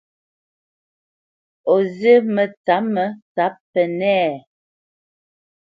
O zí mətsǎpmə tsǎp Pənɛ́a a ?